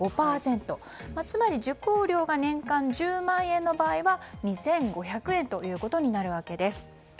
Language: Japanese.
つまり受講料が年間１０万円の場合は２５００円となるわけです。